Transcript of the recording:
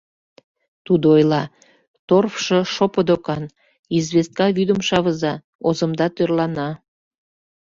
Тудо ойла: «Торфшо шопо докан, известка вӱдым шавыза, озымда тӧрлана».